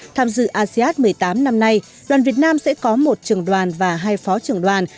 tham dự asean một mươi tám năm nay đoàn việt nam sẽ có một trường đoàn và hai phó trưởng đoàn